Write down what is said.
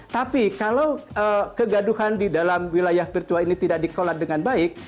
tapi kalau kegaduhan di dalam wilayah virtual ini tidak dikelola dengan baik